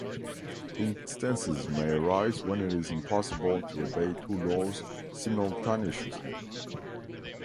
Instances may arise when it is impossible to obey two laws simultaneously.